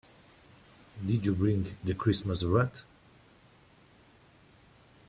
Did you bring the Christmas wreath?